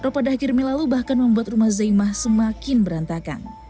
rob pada akhirnya lalu bahkan membuat rumah uzaima semakin berantakan